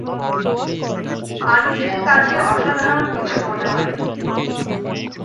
আনিসের কাছে অসাধারণ কিছু মনে হয় নি।